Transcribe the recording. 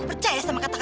dulu tetap playingngthuk